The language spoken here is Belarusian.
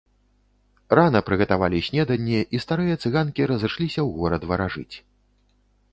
Рана прыгатавалі снеданне, і старыя цыганкі разышліся ў горад варажыць.